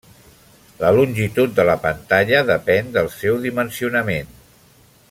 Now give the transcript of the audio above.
La longitud de la pantalla depèn del seu dimensionament.